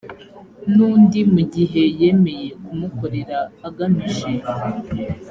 n undi mu gihe yemeye kumukorera agamije